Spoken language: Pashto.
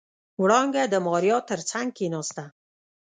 وړانګې د ماريا تر څنګ کېناسته.